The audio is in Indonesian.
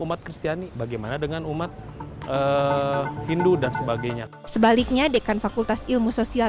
umat kristiani bagaimana dengan umat hindu dan sebagainya sebaliknya dekan fakultas ilmu sosial